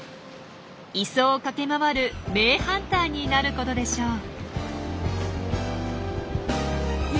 磯を駆け回る名ハンターになることでしょう。